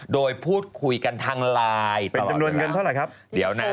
โดยพูดคุยกันทางไลน์